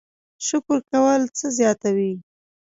شکر کول څه زیاتوي؟